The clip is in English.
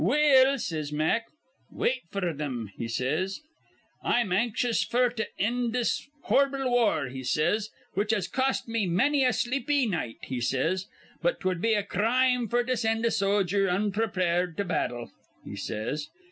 'Well,' says Mack,' 'wait f'r thim,' he says. 'I'm anxious f'r to ind this hor'ble war,' he says, 'which has cost me manny a sleepy night,' he says; 'but 'twud be a crime f'r to sind a sojer onprepared to battle,' he says.